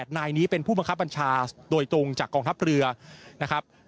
นายนี้เป็นผู้บังคับบัญชาโดยตรงจากกองทัพเรือนะครับ